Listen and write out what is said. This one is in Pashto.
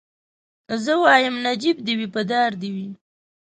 زه وايم نجيب دي وي په دار دي وي